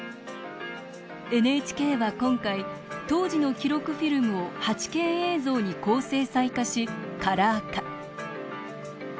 ＮＨＫは今回、当時の記録フィルムを８Ｋ映像に高精細化し、カラー化。